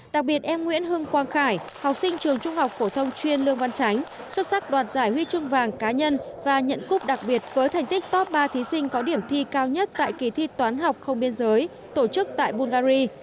đặc biệt em nguyễn hưng quang khải học sinh trường trung học phổ thông chuyên lương văn chánh xuất sắc đoạt giải huy chương vàng cá nhân và nhận cúp đặc biệt với thành tích top ba thí sinh có điểm thi cao nhất tại kỳ thi toán học không biên giới tổ chức tại bungary